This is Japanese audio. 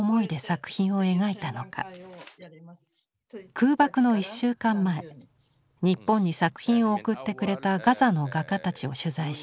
空爆の１週間前日本に作品を送ってくれたガザの画家たちを取材した。